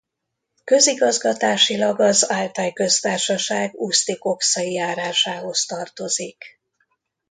Közigazgatásilag az Altaj köztársaság Uszty-kokszai járásához tartozik.